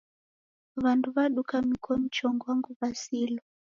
Wandu waduka mikono chongo angu wasilwa